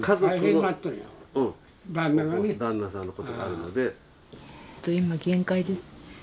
旦那さんのことがあるので。